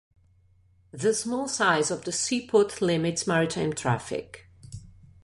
The small size of the seaport limits maritime traffic.